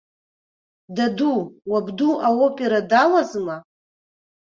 Даду, уабду аопера далазма?